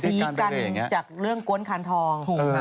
กันจากเรื่องกวนคานทอง